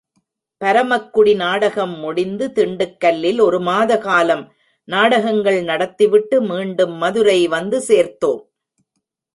பரமக்குடி நாடகம் முடிந்து திண்டுக்கல்லில் ஒரு மாத காலம் நாடகங்கள் நடத்திவிட்டு மீண்டும் மதுரை வந்து சேர்த்தோம்.